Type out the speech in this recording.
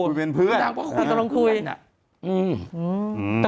คุยเป็นเพื่อนนางบอกคุยกันอยู่มันบอกคุยกันอยู่